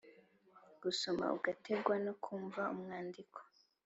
gusoma udategwa no kumva umwandiko